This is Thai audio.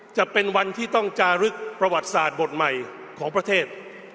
จะเป็นวันที่ต้องจารึกประวัติศาสตร์บทใหม่ของประเทศ